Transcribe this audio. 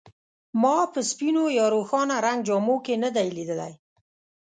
ما په سپینو یا روښانه رنګ جامو کې نه دی لیدلی.